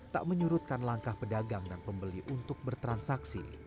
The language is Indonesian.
tak menyurutkan langkah pedagang dan pembeli untuk bertransaksi